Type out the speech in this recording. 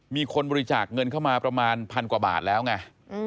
มีคนบริจาคเงินเข้ามาประมาณพันกว่าบาทแล้วไง